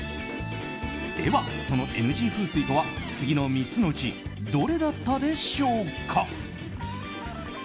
では、そのＮＧ風水とは次の３つのうちどれだったでしょうか。